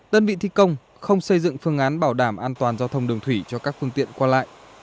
đơn vị thi công không xây dựng phương án bảo đảm an toàn giao thông đường thủy cho các phương tiện qua lại